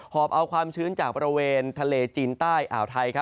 อบเอาความชื้นจากบริเวณทะเลจีนใต้อ่าวไทย